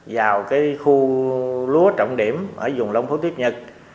vào cái khu lúa trọng điểm ở vùng long phú tiếp nhật